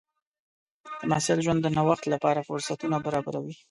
د محصل ژوند د نوښت لپاره فرصتونه برابروي.